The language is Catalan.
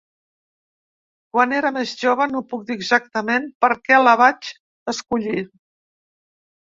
Quan era més jove no puc dir exactament per què la vaig escollir.